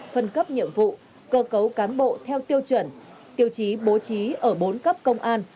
phân cấp nhiệm vụ cơ cấu cán bộ theo tiêu chuẩn tiêu chí bố trí ở bốn cấp công an